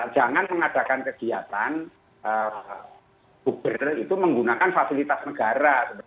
jangan mengadakan kegiatan gubernur itu menggunakan fasilitas negara